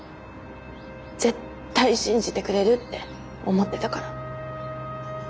絶対信じてくれるって思ってたから。